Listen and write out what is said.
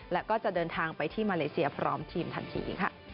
และก็จะเดินทางไปที่มาเลเซียพร้อมทีมทันทีค่ะ